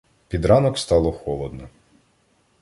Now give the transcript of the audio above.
Під ранок стало холодно.